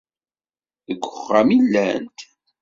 Deg uxxam i llant?